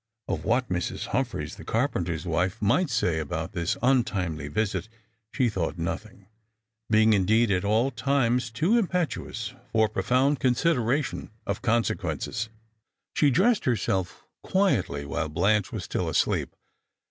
Of what Mrs. Humphreys, the carpenter's wife, might say about this untimely visit, she thought nothing; being, indeed, at all times too impetuous for profound consideration of consequences. She dressed herself quietly while Blanche was still asleep.